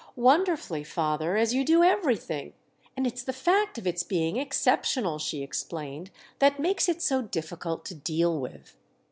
"Wonderfully, father—as you do everything; and it's the fact of its being exceptional," she explained, "that makes it so difficult to deal with."